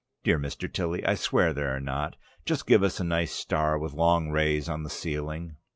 Dear Mr. Tilly, I swear there are not. Just give us a nice star with long rays on the ceiling!"